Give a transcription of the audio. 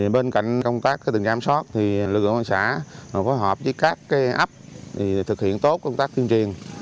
bên cạnh công tác từng tra kiểm soát thì lực lượng công an xã phối hợp với các ấp thực hiện tốt công tác tuyên truyền